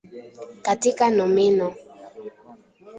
katika nomino